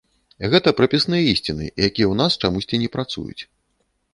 Гэта прапісныя ісціны, якія ў нас чамусьці не працуюць.